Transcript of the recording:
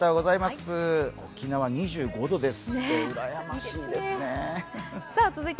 沖縄２５度ですって。